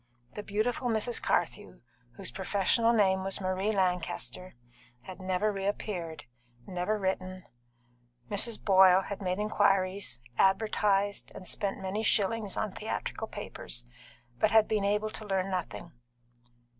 The beautiful Mrs. Carthew, whose professional name was Marie Lanchester, had never reappeared, never written. Mrs. Boyle had made inquiries, advertised, and spent many shillings on theatrical papers, but had been able to learn nothing.